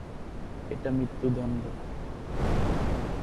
এটা মৃত্যুদণ্ড.